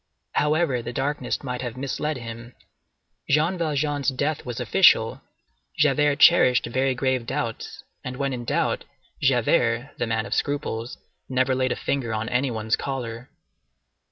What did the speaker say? However, the darkness might have misled him; Jean Valjean's death was official; Javert cherished very grave doubts; and when in doubt, Javert, the man of scruples, never laid a finger on any one's collar.